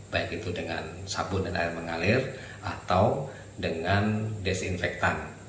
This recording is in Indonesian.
baik itu dengan sabun dan air mengalir atau dengan desinfektan